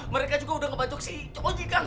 mereka juga sudah membacok si oji